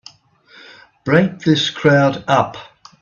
Break this crowd up!